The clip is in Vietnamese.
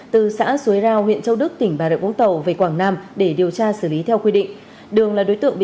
từ xã xuế rào huyện châu đức tỉnh bà rợi vũng tàu về quảng nam để điều tra xử lý theo quy định